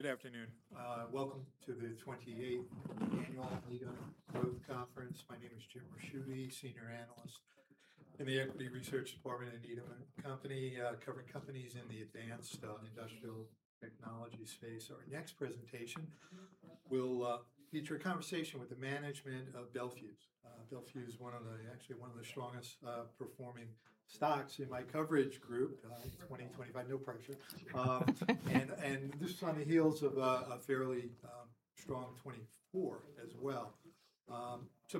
Good afternoon. Welcome to the 28th Annual Needham Growth Conference. My name is Jim Ricchiuti, Senior Analyst in the Equity Research Department at Needham and Company covering companies in the Advanced Industrial Technology space. Our next presentation will feature a conversation with the management of Bel Fuse. Bel Fuse is one of the, actually one of the strongest performing stocks in my coverage group in 2025. No pressure, and this is on the heels of a fairly strong 2024 as well.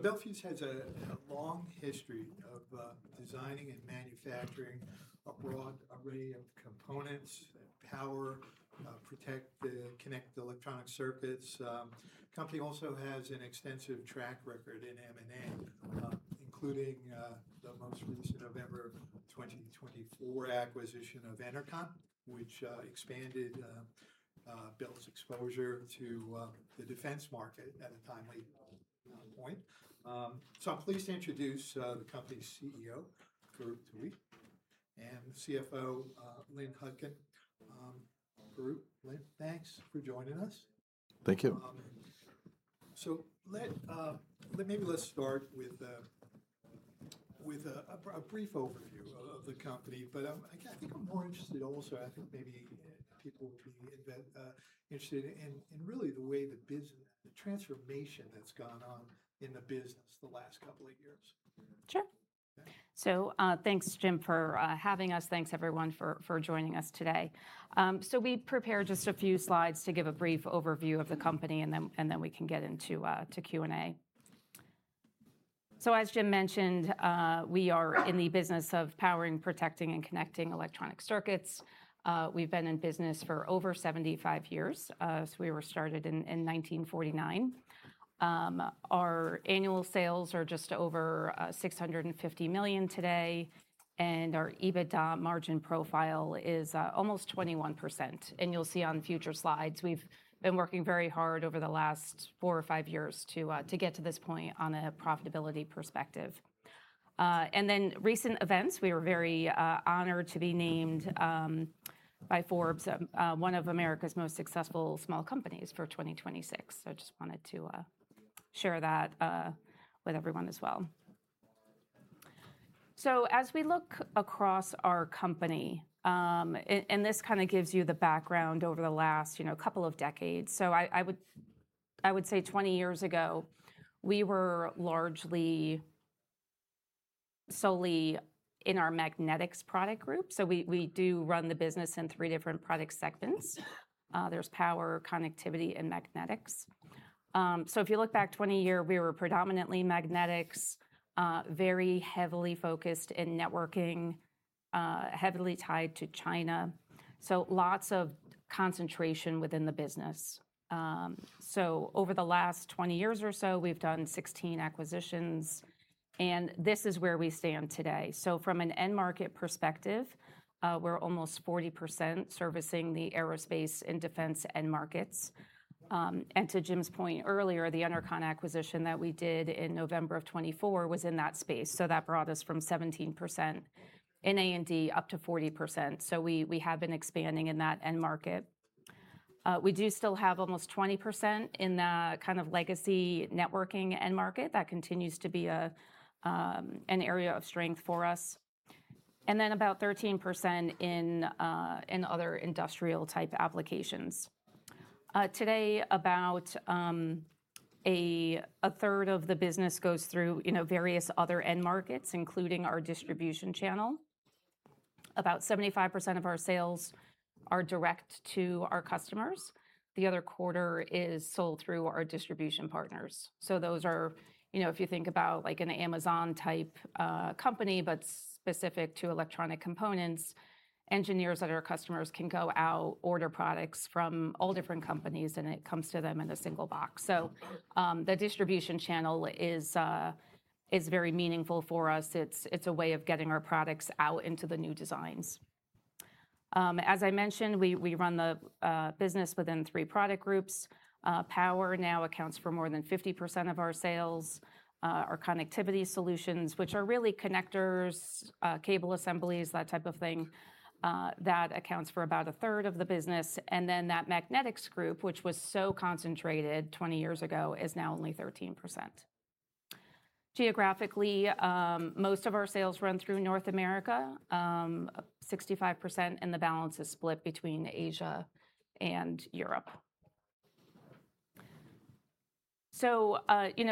Bel Fuse has a long history of designing and manufacturing a broad array of components that power, protect, connect electronic circuits. The company also has an extensive track record in M&A, including the most recent November 2024 acquisition of Enercon, which expanded Bel's exposure to the defense market at a timely point. I'm pleased to introduce the company's CEO, Farouq Tuweiq, and CFO, Lynn Hutkin. Farouq, Lynn, thanks for joining us. Thank you. So maybe let's start with a brief overview of the company. But I think I'm more interested also, I think maybe people will be interested in really the way the transformation that's gone on in the business the last couple of years. Sure. So thanks, Jim, for having us. Thanks, everyone, for joining us today. So we prepared just a few slides to give a brief overview of the company, and then we can get into Q&A. So as Jim mentioned, we are in the business of powering, protecting, and connecting electronic circuits. We've been in business for over 75 years. So we were started in 1949. Our annual sales are just over $650 million today, and our EBITDA margin profile is almost 21%. And you'll see on future slides, we've been working very hard over the last four or five years to get to this point on a profitability perspective. And then recent events, we were very honored to be named by Forbes one of America's most successful small companies for 2026. So I just wanted to share that with everyone as well. As we look across our company, and this kind of gives you the background over the last couple of decades. I would say 20 years ago, we were largely solely in our magnetics product group. We do run the business in three different product segments. There's power, connectivity, and magnetics. If you look back 20 years, we were predominantly magnetics, very heavily focused in networking, heavily tied to China. Over the last 20 years or so, we've done 16 acquisitions, and this is where we stand today. From an end market perspective, we're almost 40% servicing the aerospace and defense end markets. To Jim's point earlier, the Enercon acquisition that we did in November of 2024 was in that space. That brought us from 17% in A&D up to 40%. So we have been expanding in that end market. We do still have almost 20% in the kind of legacy networking end market. That continues to be an area of strength for us. And then about 13% in other industrial-type applications. Today, about a third of the business goes through various other end markets, including our distribution channel. About 75% of our sales are direct to our customers. The other quarter is sold through our distribution partners. So those are, if you think about like an Amazon-type company, but specific to electronic components, engineers that are customers can go out, order products from all different companies, and it comes to them in a single box. So the distribution channel is very meaningful for us. It's a way of getting our products out into the new designs. As I mentioned, we run the business within three product groups. Power now accounts for more than 50% of our sales. Our connectivity solutions, which are really connectors, cable assemblies, that type of thing, that accounts for about a third of the business. And then that magnetics group, which was so concentrated 20 years ago, is now only 13%. Geographically, most of our sales run through North America, 65%, and the balance is split between Asia and Europe. So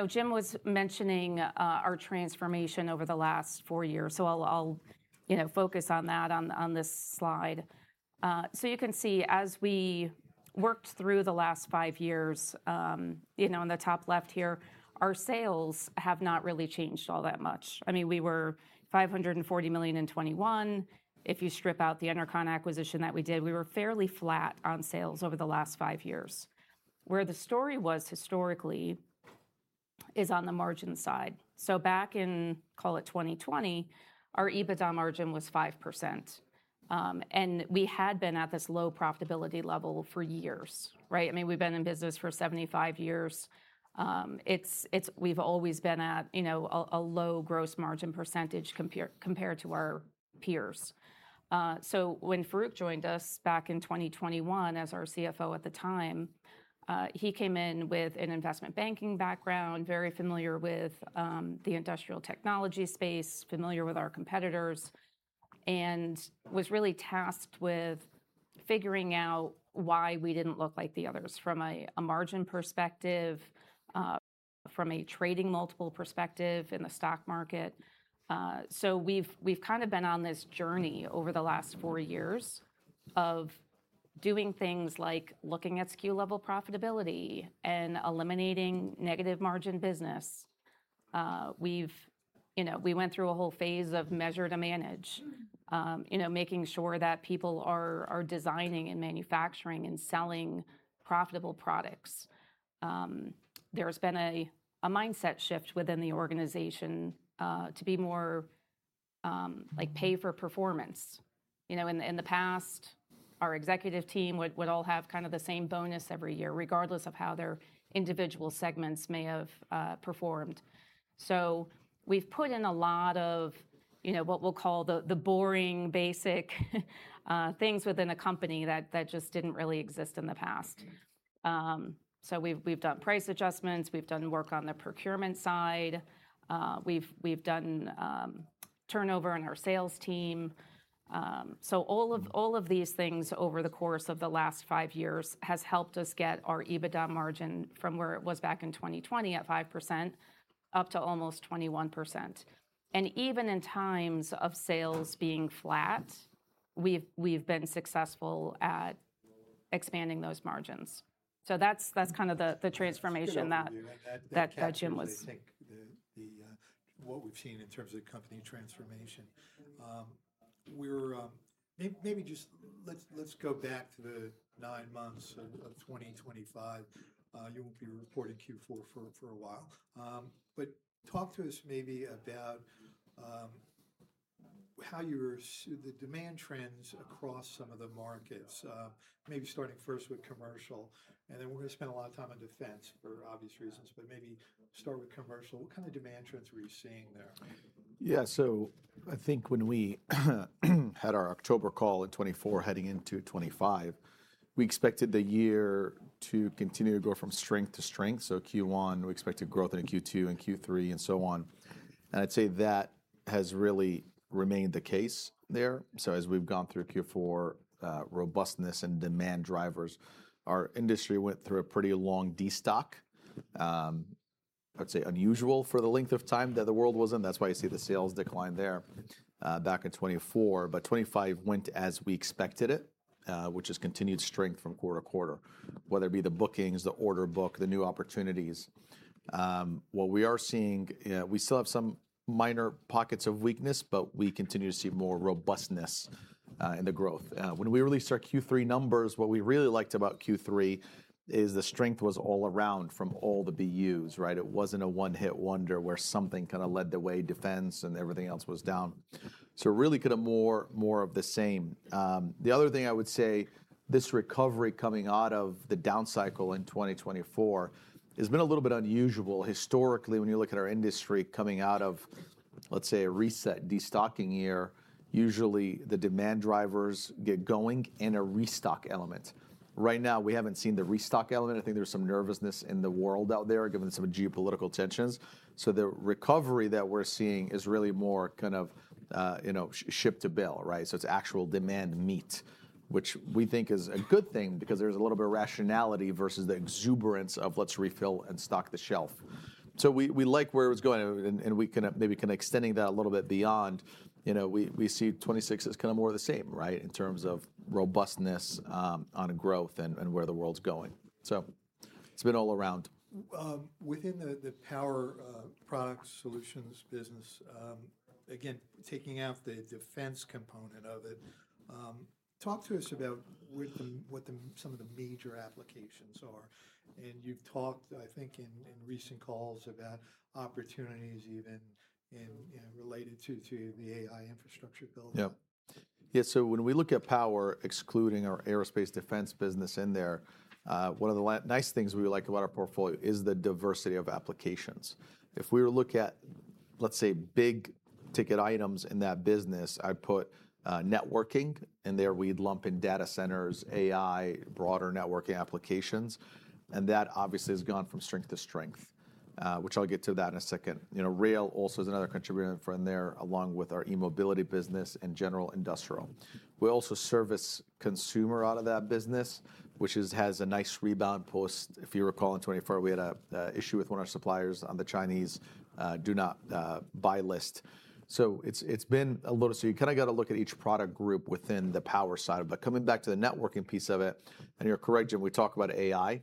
Jim was mentioning our transformation over the last four years. So I'll focus on that on this slide. So you can see as we worked through the last five years, on the top left here, our sales have not really changed all that much. I mean, we were $540 million in 2021. If you strip out the Enercon acquisition that we did, we were fairly flat on sales over the last five years. Where the story was historically is on the margin side. So back in, call it 2020, our EBITDA margin was 5%. And we had been at this low profitability level for years. I mean, we've been in business for 75 years. We've always been at a low gross margin percentage compared to our peers. So when Farouq joined us back in 2021 as our CFO at the time, he came in with an investment banking background, very familiar with the industrial technology space, familiar with our competitors, and was really tasked with figuring out why we didn't look like the others from a margin perspective, from a trading multiple perspective in the stock market. So we've kind of been on this journey over the last four years of doing things like looking at SKU level profitability and eliminating negative margin business. We went through a whole phase of measure to manage, making sure that people are designing and manufacturing and selling profitable products. There's been a mindset shift within the organization to be more pay for performance. In the past, our executive team would all have kind of the same bonus every year, regardless of how their individual segments may have performed. So we've put in a lot of what we'll call the boring basic things within a company that just didn't really exist in the past. So we've done price adjustments. We've done work on the procurement side. We've done turnover in our sales team. So all of these things over the course of the last five years has helped us get our EBITDA margin from where it was back in 2020 at 5% up to almost 21%. And even in times of sales being flat, we've been successful at expanding those margins. So that's kind of the transformation that Jim was. What we've seen in terms of company transformation. Maybe just let's go back to the nine months of 2025. You won't be reporting Q4 for a while. But talk to us maybe about how you were seeing the demand trends across some of the markets, maybe starting first with commercial. And then we're going to spend a lot of time on defense for obvious reasons, but maybe start with commercial. What kind of demand trends were you seeing there? Yeah. So I think when we had our October call in 2024 heading into 2025, we expected the year to continue to go from strength to strength. So Q1, we expected growth in Q2 and Q3 and so on. And I'd say that has really remained the case there. So as we've gone through Q4, robustness and demand drivers, our industry went through a pretty long destock. I'd say unusual for the length of time that the world was in. That's why you see the sales decline there back in 2024. But 2025 went as we expected it, which is continued strength from quarter- to -quarter, whether it be the bookings, the order book, the new opportunities. What we are seeing, we still have some minor pockets of weakness, but we continue to see more robustness in the growth. When we released our Q3 numbers, what we really liked about Q3 is the strength was all around from all the BUs, right? It wasn't a one-hit wonder where something kind of led the way defense and everything else was down. So really kind of more of the same. The other thing I would say, this recovery coming out of the down cycle in 2024 has been a little bit unusual. Historically, when you look at our industry coming out of, let's say, a reset destocking year, usually the demand drivers get going in a restock element. Right now, we haven't seen the restock element. I think there's some nervousness in the world out there given some of the geopolitical tensions. So the recovery that we're seeing is really more kind of ship to bill, right? So it's actual demand met, which we think is a good thing because there's a little bit of rationality versus the exuberance of let's refill and stock the shelf. So we like where it was going. And we kind of maybe kind of extending that a little bit beyond, we see 2026 is kind of more of the same, right, in terms of robustness on growth and where the world's going. So it's been all around. Within the power product solutions business, again, taking out the defense component of it, talk to us about what some of the major applications are. And you've talked, I think, in recent calls about opportunities even related to the AI infrastructure building. Yeah. Yeah. So when we look at power, excluding our aerospace and defense business in there, one of the nice things we like about our portfolio is the diversity of applications. If we were to look at, let's say, big ticket items in that business, I'd put networking in there. We'd lump in data centers, AI, broader networking applications. And that obviously has gone from strength to strength, which I'll get to that in a second. Rail also is another contributing from there along with our e-mobility business and general industrial. We also service consumer out of that business, which has a nice rebound post. If you recall in 2024, we had an issue with one of our suppliers on the Chinese do not buy list. So it's been a little bit of, so you kind of got to look at each product group within the power side of it. But coming back to the networking piece of it, and you're correct, Jim. We talk about AI.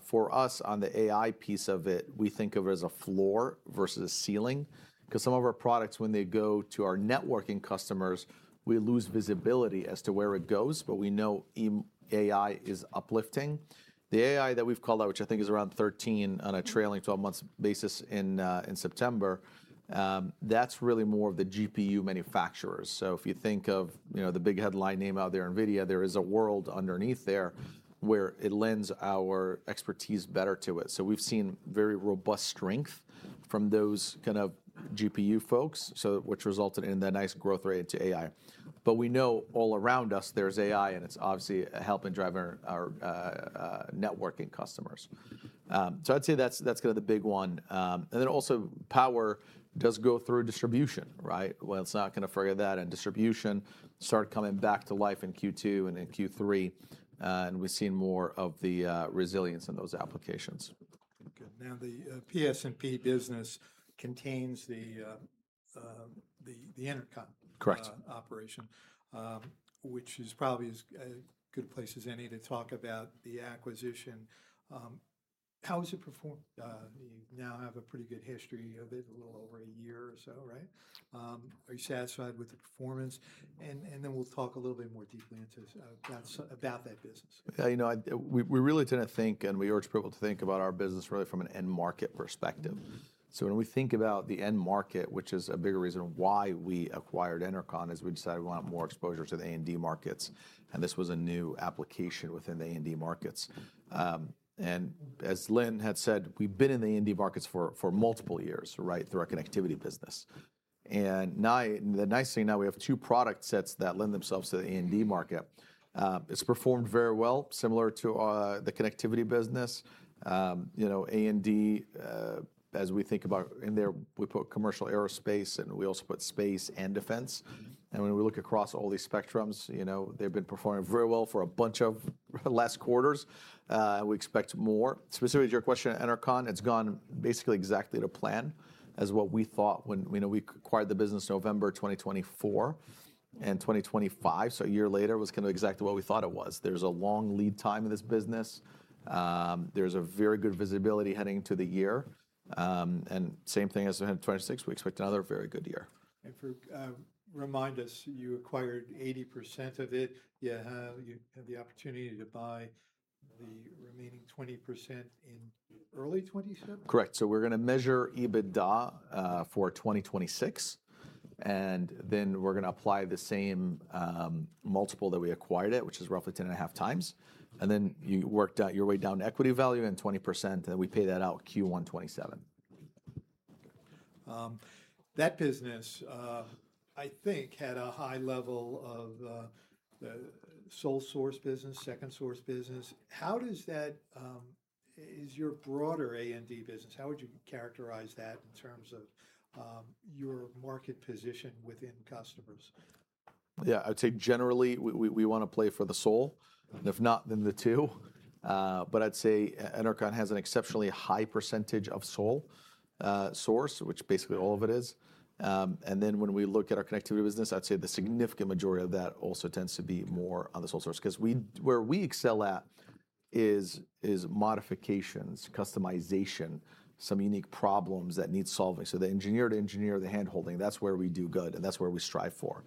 For us, on the AI piece of it, we think of it as a floor versus a ceiling because some of our products, when they go to our networking customers, we lose visibility as to where it goes. But we know AI is uplifting. The AI that we've called out, which I think is around 13% on a trailing 12-month basis in September, that's really more of the GPU manufacturers. So if you think of the big headline name out there, NVIDIA, there is a world underneath there where it lends our expertise better to it. So we've seen very robust strength from those kind of GPU folks, which resulted in the nice growth rate into AI. But we know all around us, there's AI, and it's obviously helping drive our networking customers. So I'd say that's kind of the big one. And then also power does go through distribution, right? Well, it's not going to forget that. And distribution started coming back to life in Q2 and in Q3. And we've seen more of the resilience in those applications. Now, the PS&P business contains the Enercon operation, which is probably as good a place as any to talk about the acquisition. How has it performed? You now have a pretty good history of it, a little over a year or so, right? Are you satisfied with the performance? And then we'll talk a little bit more deeply into about that business. Yeah. We really tend to think, and we are able to think about our business really from an end market perspective. So when we think about the end market, which is a bigger reason why we acquired Enercon, is we decided we want more exposure to the A&D markets. And this was a new application within the A&D markets. And as Lynn had said, we've been in the A&D markets for multiple years, right, through our connectivity business. And the nice thing now, we have two product sets that lend themselves to the A&D market. It's performed very well, similar to the connectivity business. A&D, as we think about in there, we put commercial aerospace, and we also put space and defense. And when we look across all these spectrums, they've been performing very well for a bunch of last quarters. We expect more. Specifically to your question on Enercon, it's gone basically exactly to plan as what we thought when we acquired the business November 2024 and 2025. So a year later, it was going to be exactly what we thought it was. There's a long lead time in this business. There's a very good visibility heading into the year. And same thing as in 2026, we expect another very good year. And remind us, you acquired 80% of it. You had the opportunity to buy the remaining 20% in early 2027? Correct. So we're going to measure EBITDA for 2026. And then we're going to apply the same multiple that we acquired it, which is roughly 10 and a half times. And then you worked out your way down equity value and 20%. And we pay that out Q1 2027. That business, I think, had a high level of the sole source business, second source business. How does that, is your broader A&D business, how would you characterize that in terms of your market position within customers? Yeah. I'd say generally, we want to play for the sole. And if not, then the two. But I'd say Enercon has an exceptionally high percentage of sole source, which basically all of it is. And then when we look at our connectivity business, I'd say the significant majority of that also tends to be more on the sole source because where we excel at is modifications, customization, some unique problems that need solving. So the engineer to engineer, the handholding, that's where we do good, and that's where we strive for.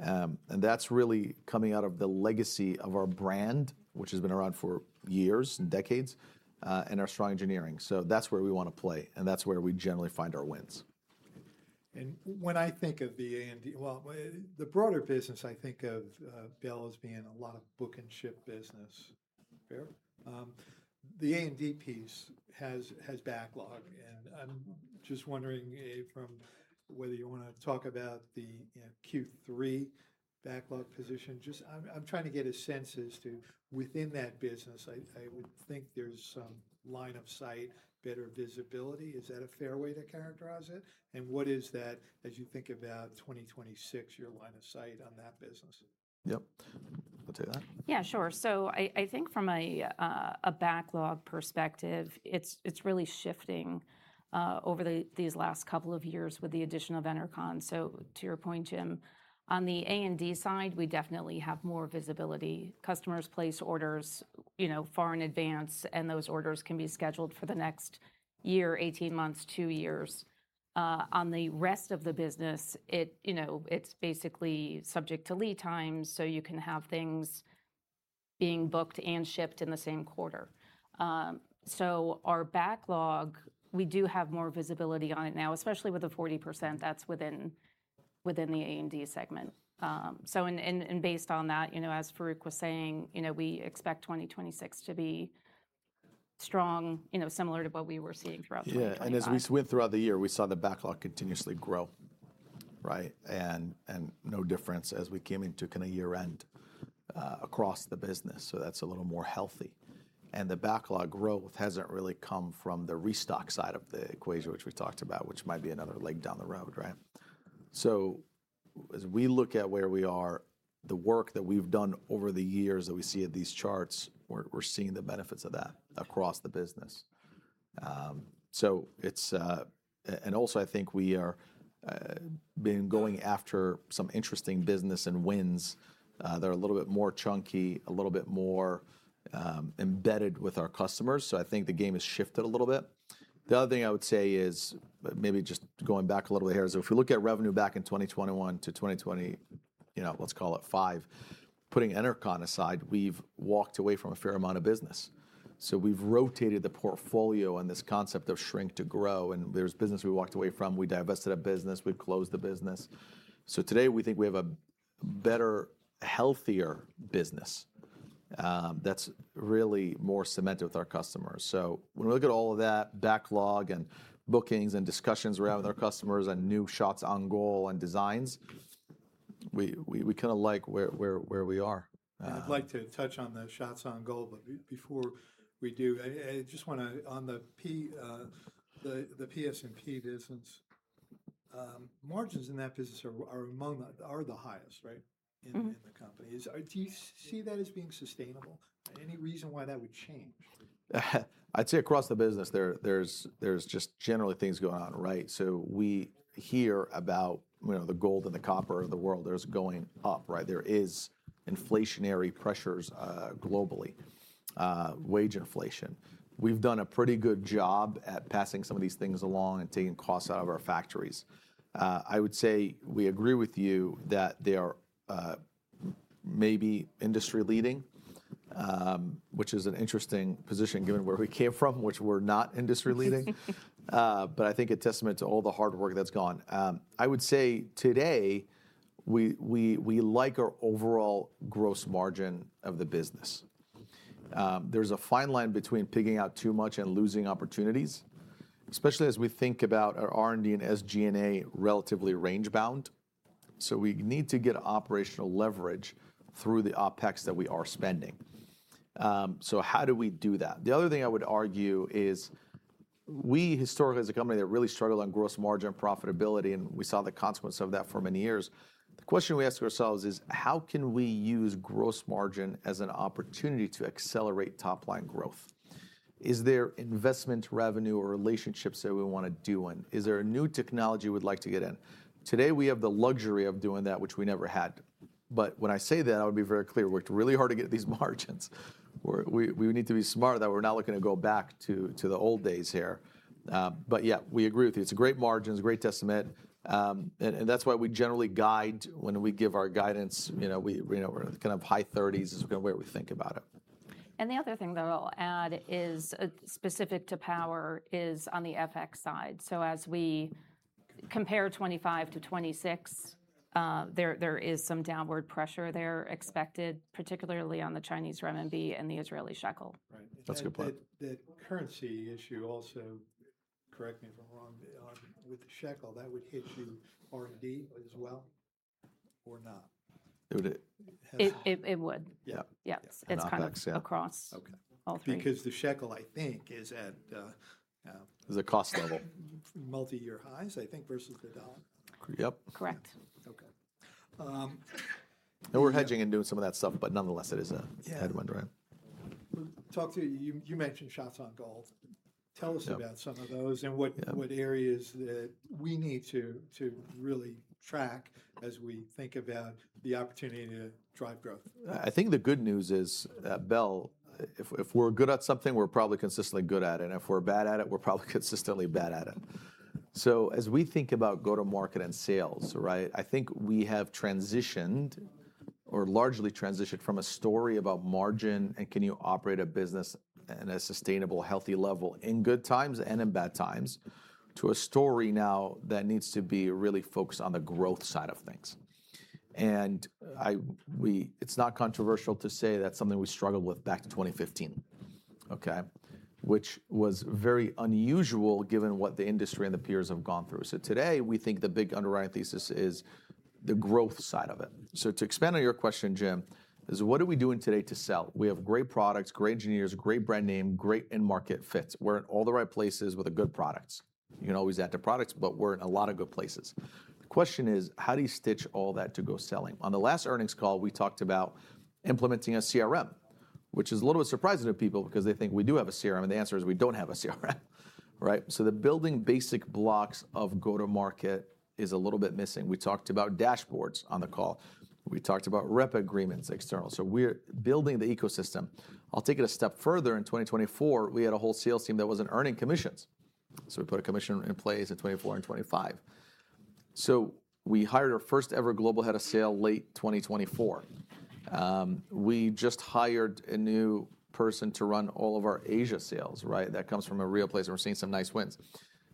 And that's really coming out of the legacy of our brand, which has been around for years and decades, and our strong engineering. So that's where we want to play, and that's where we generally find our wins. When I think of the A&D, well, the broader business, I think of Bel as being a lot of book and ship business, fair? The A&D piece has backlog. I'm just wondering whether you want to talk about the Q3 backlog position. I'm trying to get a sense as to within that business, I would think there's some line of sight, better visibility. Is that a fair way to characterize it? What is that as you think about 2026, your line of sight on that business? Yep. I'll take that. Yeah, sure. So I think from a backlog perspective, it's really shifting over these last couple of years with the addition of Enercon. So to your point, Jim, on the A&D side, we definitely have more visibility. Customers place orders far in advance, and those orders can be scheduled for the next year, 18 months, two years. On the rest of the business, it's basically subject to lead times. So you can have things being booked and shipped in the same quarter. So our backlog, we do have more visibility on it now, especially with the 40%. That's within the A&D segment. So based on that, as Farouq was saying, we expect 2026 to be strong, similar to what we were seeing throughout the year. Yeah. And as we went throughout the year, we saw the backlog continuously grow, right? And no difference as we came into kind of year-end across the business. So that's a little more healthy. And the backlog growth hasn't really come from the restock side of the equation, which we talked about, which might be another leg down the road, right? So as we look at where we are, the work that we've done over the years that we see at these charts, we're seeing the benefits of that across the business. And also, I think we are been going after some interesting business and wins that are a little bit more chunky, a little bit more embedded with our customers. So I think the game has shifted a little bit. The other thing I would say is maybe just going back a little bit here. So if we look at revenue back in 2021 to 2020, let's call it five, putting Enercon aside, we've walked away from a fair amount of business. So we've rotated the portfolio on this concept of shrink to grow. And there's business we walked away from. We divested a business. We've closed the business. So today, we think we have a better, healthier business that's really more cemented with our customers. So when we look at all of that backlog and bookings and discussions we have with our customers and new shots on goal and designs, we kind of like where we are. I'd like to touch on the shots on goal, but before we do, I just want to, on the PS&P business, margins in that business are the highest, right, in the company. Do you see that as being sustainable? Any reason why that would change? I'd say across the business, there's just generally things going on, right? So we hear about the gold and the copper of the world. There's going up, right? There are inflationary pressures globally, wage inflation. We've done a pretty good job at passing some of these things along and taking costs out of our factories. I would say we agree with you that they are maybe industry-leading, which is an interesting position given where we came from, which we're not industry-leading. But I think a testament to all the hard work that's gone. I would say today, we like our overall gross margin of the business. There's a fine line between picking out too much and losing opportunities, especially as we think about our R&D and SG&A relatively range-bound. So we need to get operational leverage through the OpEx that we are spending. So how do we do that? The other thing I would argue is we, historically, as a company, that really struggled on gross margin profitability, and we saw the consequence of that for many years. The question we ask ourselves is, how can we use gross margin as an opportunity to accelerate top-line growth? Is there investment revenue or relationships that we want to do in? Is there a new technology we'd like to get in? Today, we have the luxury of doing that, which we never had. But when I say that, I would be very clear. We worked really hard to get these margins. We need to be smart that we're not looking to go back to the old days here. But yeah, we agree with you. It's a great margin, it's a great testament. That's why we generally guide when we give our guidance, we're in kind of high 30s is kind of the way we think about it. The other thing that I'll add is specific to power is on the FX side. As we compare 2025 to 2026, there is some downward pressure there expected, particularly on the Chinese renminbi and the Israeli shekel. That's a good point. The currency issue also, correct me if I'm wrong, with the shekel, that would hit you R&D as well or not? It would. Yeah. Yeah. It's kind of across all three. Because the shekel, I think, is at. Is a cost level. Multi-year highs, I think, versus the dollar. Yep. Correct. Okay. And we're hedging and doing some of that stuff, but nonetheless, it is a headwind, right? You mentioned shots on goal. Tell us about some of those and what areas that we need to really track as we think about the opportunity to drive growth? I think the good news is, Bill, if we're good at something, we're probably consistently good at it, and if we're bad at it, we're probably consistently bad at it, so as we think about go-to-market and sales, right, I think we have transitioned or largely transitioned from a story about margin and can you operate a business at a sustainable, healthy level in good times and in bad times to a story now that needs to be really focused on the growth side of things, and it's not controversial to say that's something we struggled with back to 2015, okay, which was very unusual given what the industry and the peers have gone through, so today, we think the big underlying thesis is the growth side of it, so to expand on your question, Jim, is what are we doing today to sell? We have great products, great engineers, great brand name, great end market fits. We're in all the right places with the good products. You can always add to products, but we're in a lot of good places. The question is, how do you stitch all that to go selling? On the last earnings call, we talked about implementing a CRM, which is a little bit surprising to people because they think we do have a CRM. And the answer is we don't have a CRM, right? So the building basic blocks of go-to-market is a little bit missing. We talked about dashboards on the call. We talked about rep agreements external. So we're building the ecosystem. I'll take it a step further. In 2024, we had a whole sales team that wasn't earning commissions. So we put a commission in place in 2024 and 2025. So we hired our first-ever global head of sales late 2024. We just hired a new person to run all of our Asia sales, right? That comes from a real place. We're seeing some nice wins.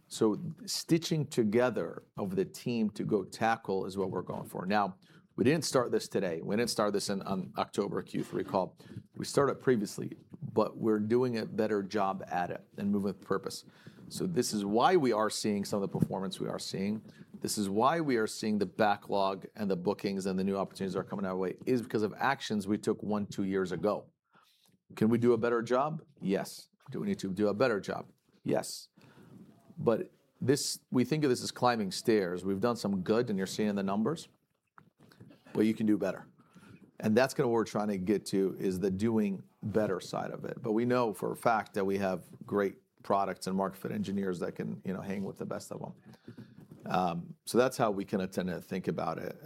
So stitching together of the team to go tackle is what we're going for. Now, we didn't start this today. We didn't start this on October Q3 call. We started it previously, but we're doing a better job at it and moving with purpose. So this is why we are seeing some of the performance we are seeing. This is why we are seeing the backlog and the bookings and the new opportunities that are coming our way is because of actions we took one, two years ago. Can we do a better job? Yes. Do we need to do a better job? Yes. But we think of this as climbing stairs. We've done some good, and you're seeing the numbers, but you can do better, and that's kind of what we're trying to get to is the doing better side of it, but we know for a fact that we have great products and market-fit engineers that can hang with the best of them, so that's how we kind of tend to think about it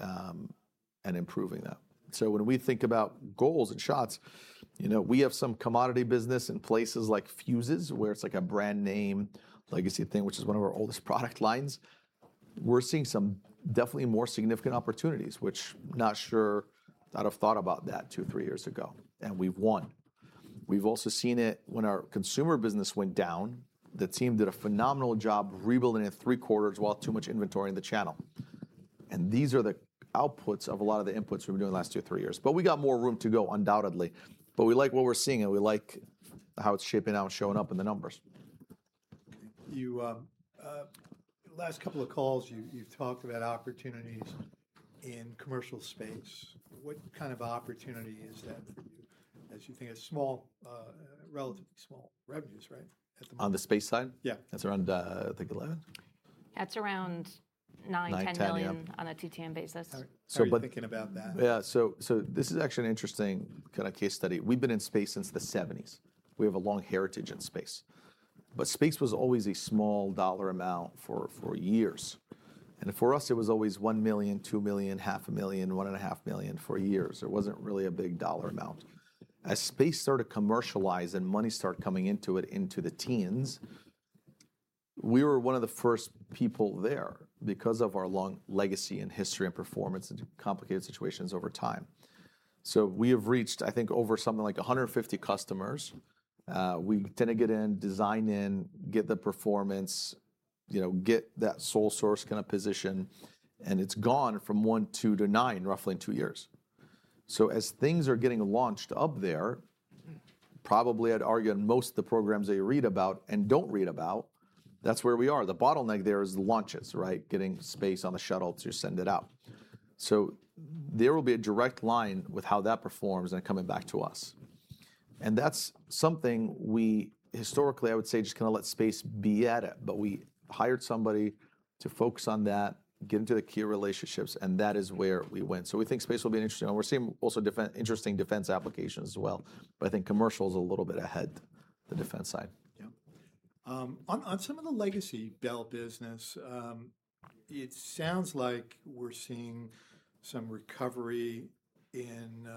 and improving that, so when we think about goals and shots, we have some commodity business in places like fuses, where it's like a brand name, legacy thing, which is one of our oldest product lines. We're seeing some definitely more significant opportunities, which I'm not sure I'd have thought about that two, three years ago, and we've won. We've also seen it when our consumer business went down. The team did a phenomenal job rebuilding in Q3 while too much inventory in the channel. These are the outputs of a lot of the inputs we've been doing the last two, three years. We got more room to go, undoubtedly. We like what we're seeing, and we like how it's shaping out and showing up in the numbers. Last couple of calls, you've talked about opportunities in commercial space. What kind of opportunity is that for you as you think of relatively small revenues, right? On the space side? Yeah. That's around, I think, 11? That's around $9-$10 million on a TTM basis. So I'm thinking about that. Yeah. So this is actually an interesting kind of case study. We've been in space since the 1970s. We have a long heritage in space. But space was always a small dollar amount for years. And for us, it was always $1 million, $2 million, $500,000, $1.5 million for years. It wasn't really a big dollar amount. As space started to commercialize and money started coming into it into the teens, we were one of the first people there because of our long legacy and history and performance and complicated situations over time. So we have reached, I think, over something like 150 customers. We tend to get in, design in, get the performance, get that sole source kind of position. And it's gone from one, two to nine, roughly in two years. So as things are getting launched up there, probably I'd argue in most of the programs they read about and don't read about, that's where we are. The bottleneck there is launches, right? Getting space on the shuttle to send it out. So there will be a direct line with how that performs and coming back to us. And that's something we historically, I would say, just kind of let space be at it. But we hired somebody to focus on that, get into the key relationships, and that is where we went. So we think space will be interesting. And we're seeing also different interesting defense applications as well. But I think commercial is a little bit ahead, the defense side. Yeah. On some of the legacy Bel business, it sounds like we're seeing some recovery in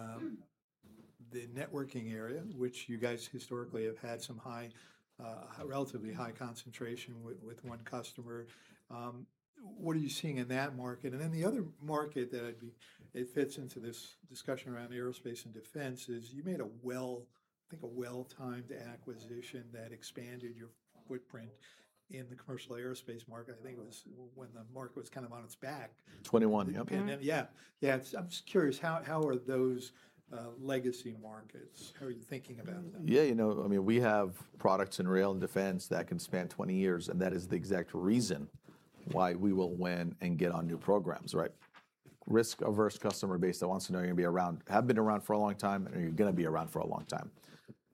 the networking area, which you guys historically have had some relatively high concentration with one customer. What are you seeing in that market? And then the other market that it fits into this discussion around aerospace and defense is you made a, I think, a well-timed acquisition that expanded your footprint in the commercial aerospace market. I think it was when the market was kind of on its back. '21. Yeah. Yeah. I'm just curious, how are those legacy markets? How are you thinking about them? Yeah. You know, I mean, we have products in rail and defense that can span 20 years. And that is the exact reason why we will win and get on new programs, right? Risk-averse customer base that wants to know you're going to be around, have been around for a long time, and you're going to be around for a long time.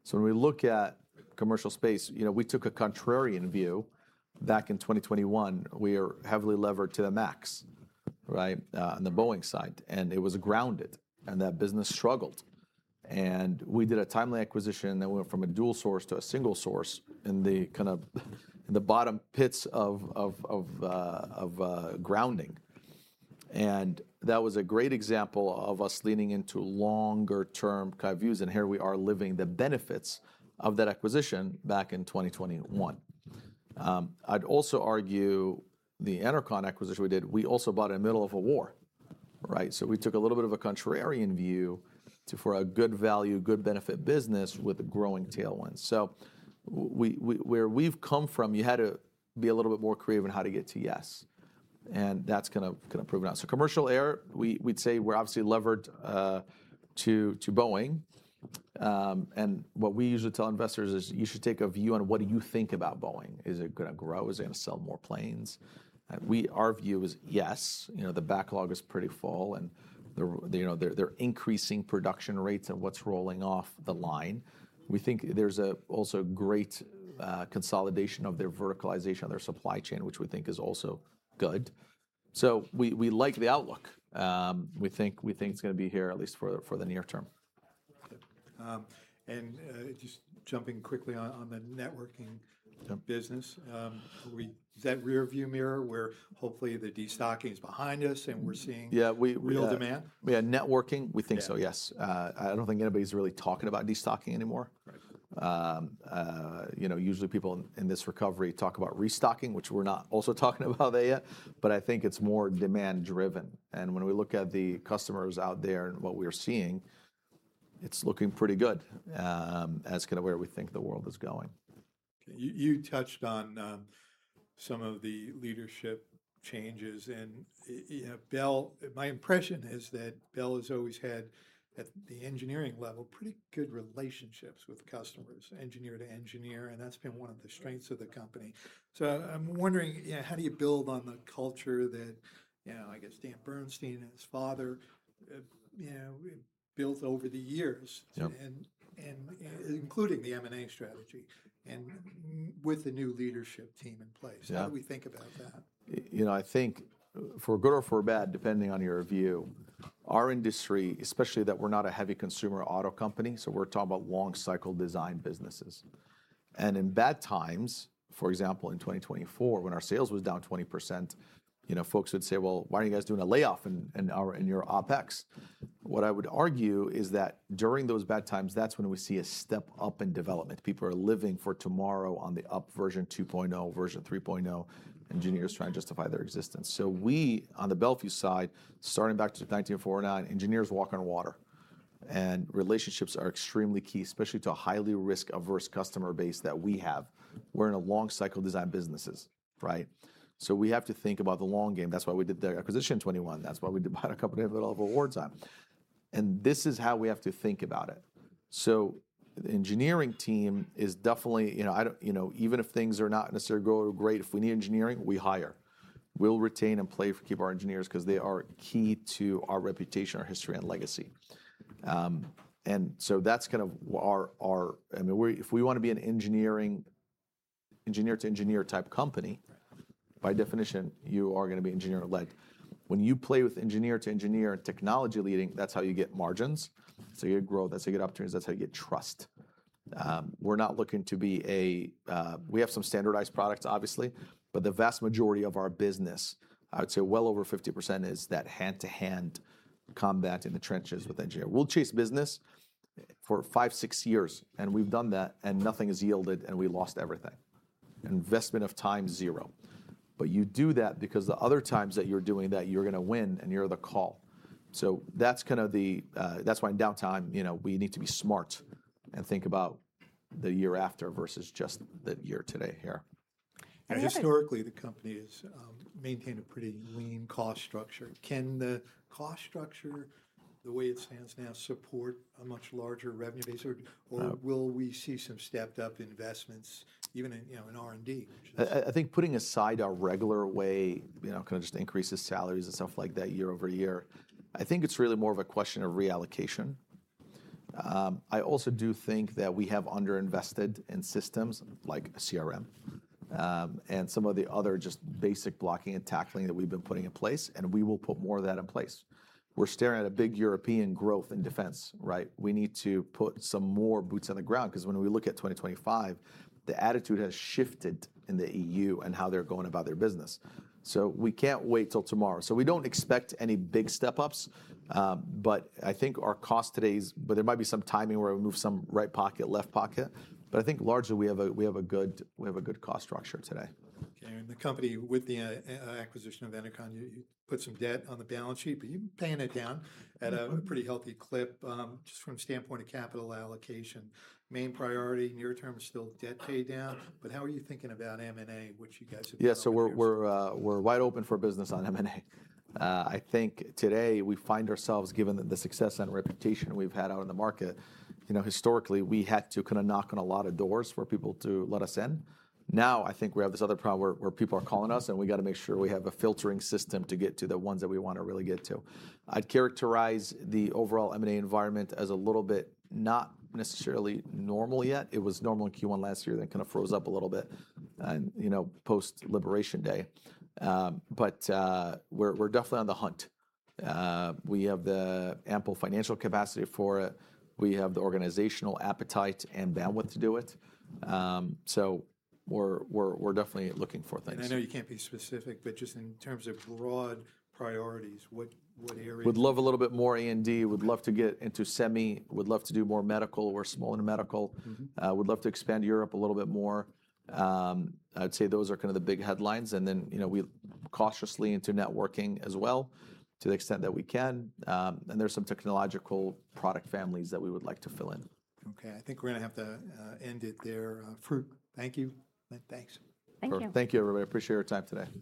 So when we look at commercial space, we took a contrarian view back in 2021. We are heavily levered to the max, right, on the Boeing side. And it was grounded. And that business struggled. And we did a timely acquisition that went from a dual source to a single source in the kind of bottom pits of grounding. And that was a great example of us leaning into longer-term kind of views. And here we are living the benefits of that acquisition back in 2021. I'd also argue the Enercon acquisition we did, we also bought in the middle of a war, right? So we took a little bit of a contrarian view for a good value, good benefit business with a growing tailwind. So where we've come from, you had to be a little bit more creative in how to get to yes. And that's kind of proven out. So commercial air, we'd say we're obviously levered to Boeing. And what we usually tell investors is you should take a view on what do you think about Boeing. Is it going to grow? Is it going to sell more planes? Our view is yes. The backlog is pretty full. And they're increasing production rates and what's rolling off the line. We think there's also a great consolidation of their verticalization of their supply chain, which we think is also good. So we like the outlook. We think it's going to be here at least for the near term. Just jumping quickly on the networking business, is that rearview mirror where hopefully the destocking is behind us and we're seeing real demand? Yeah. We had networking. We think so, yes. I don't think anybody's really talking about destocking anymore. Usually, people in this recovery talk about restocking, which we're not also talking about there yet, but I think it's more demand-driven, and when we look at the customers out there and what we're seeing, it's looking pretty good as kind of where we think the world is going. You touched on some of the leadership changes. And my impression is that Bel has always had, at the engineering level, pretty good relationships with customers, engineer to engineer. And that's been one of the strengths of the company. So I'm wondering, how do you build on the culture that, I guess, Dan Bernstein and his father built over the years, including the M&A strategy and with the new leadership team in place? How do we think about that? You know, I think for good or for bad, depending on your view, our industry, especially that we're not a heavy consumer auto company, so we're talking about long-cycle design businesses, and in bad times, for example, in 2024, when our sales was down 20%, folks would say, "Well, why aren't you guys doing a layoff in your OpEx?" What I would argue is that during those bad times, that's when we see a step up in development. People are living for tomorrow on the up version 2.0, version 3.0 engineers trying to justify their existence, so we, on the Bel Fuse side, starting back to 1949, engineers walk on water. And relationships are extremely key, especially to a highly risk-averse customer base that we have. We're in a long-cycle design businesses, right, so we have to think about the long game. That's why we did the acquisition in 2021. That's why we did buy a company in the middle of a wartime, and this is how we have to think about it, so the engineering team is definitely, even if things are not necessarily going great, if we need engineering, we hire. We'll retain and play for keeps our engineers because they are key to our reputation, our history, and legacy, and so that's kind of our, I mean, if we want to be an engineer to engineer type company, by definition, you are going to be engineer-led. When you play with engineer to engineer and technology leading, that's how you get margins. That's how you get growth. That's how you get opportunities. That's how you get trust. We're not looking to be a, we have some standardized products, obviously, but the vast majority of our business, I would say well over 50%, is that hand-to-hand combat in the trenches with engineers. We'll chase business for five, six years. And we've done that. And nothing has yielded. And we lost everything. Investment of time zero. But you do that because the other times that you're doing that, you're going to win and you're the call. So that's kind of the, that's why in downtime, we need to be smart and think about the year after versus just the year today here. Historically, the company has maintained a pretty lean cost structure. Can the cost structure, the way it stands now, support a much larger revenue base? Or will we see some stepped-up investments, even in R&D? I think putting aside our regular way, kind of just increases salaries and stuff like that year over year. I think it's really more of a question of reallocation. I also do think that we have underinvested in systems like CRM and some of the other just basic blocking and tackling that we've been putting in place. And we will put more of that in place. We're staring at a big European growth in defense, right? We need to put some more boots on the ground because when we look at 2025, the attitude has shifted in the EU and how they're going about their business. So we can't wait till tomorrow. So we don't expect any big step-ups. But I think our cost today is, but there might be some timing where we move some right pocket, left pocket. But I think largely we have a good cost structure today. Okay. And the company with the acquisition of Enercon, you put some debt on the balance sheet, but you're paying it down at a pretty healthy clip just from the standpoint of capital allocation. Main priority near-term is still debt pay down. But how are you thinking about M&A, which you guys have been? Yeah. So we're wide open for business on M&A. I think today we find ourselves, given the success and reputation we've had out in the market. Historically, we had to kind of knock on a lot of doors for people to let us in. Now, I think we have this other problem where people are calling us. And we got to make sure we have a filtering system to get to the ones that we want to really get to. I'd characterize the overall M&A environment as a little bit not necessarily normal yet. It was normal in Q1 last year. That kind of froze up a little bit post-Labour ay. But we're definitely on the hunt. We have the ample financial capacity for it. We have the organizational appetite and bandwidth to do it. So we're definitely looking for things. I know you can't be specific, but just in terms of broad priorities, what areas? We'd love a little bit more A&D. We'd love to get into semi. We'd love to do more medical or smaller medical. We'd love to expand Europe a little bit more. I'd say those are kind of the big headlines. And then we cautiously into networking as well to the extent that we can. And there's some technological product families that we would like to fill in. Okay. I think we're going to have to end it there. Farouq, thank you. Thanks. Thank you. Thank you, everybody. I appreciate your time today.